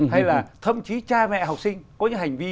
hay là thậm chí cha mẹ học sinh có những hành vi